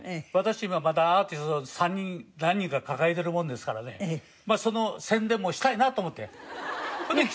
今まだアーティスト３人何人か抱えてるもんですからねその宣伝もしたいなと思ってそれで来たんです今日は。